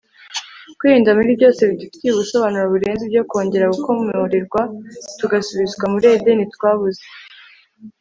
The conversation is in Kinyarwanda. kwirinda muri byose bidufitiye ubusobanuro burenze ibyo kongera gukomorerwa tugasubizwa muri edeni twabuze